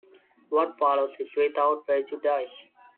What follows is without prejudice.